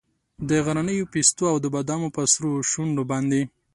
د غرنیو پیستو او د بادامو په سرو شونډو باندې